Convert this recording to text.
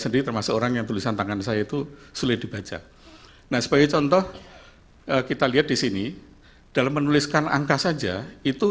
dengan saya itu sulit dibaca nah sebagai contoh kita lihat di sini dalam menuliskan angka saja itu